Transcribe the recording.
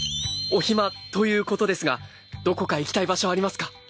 お暇ということですがどこか行きたい場所ありますか？